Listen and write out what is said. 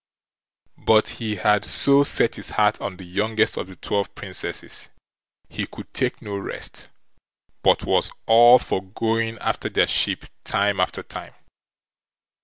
But he had so set his heart on the youngest of the twelve Princesses, he could take no rest, but was all for going after their ship time after time.